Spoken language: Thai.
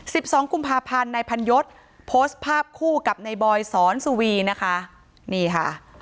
สิบสองกุมภาพันธ์นายพันยศโพสต์ภาพคู่กับในบอยสอนสุวีนะคะนี่ค่ะ